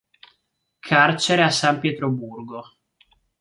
Carcere a San Pietroburgo.